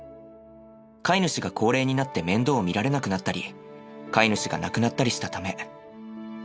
飼い主が高齢になって面倒を見られなくなったり飼い主が亡くなったりしたため。